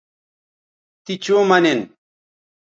تی چوں مہ نن